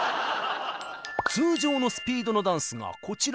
通常のスピードのダンスがこちら。